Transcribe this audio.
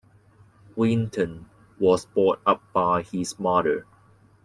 Winton was brought up by his mother.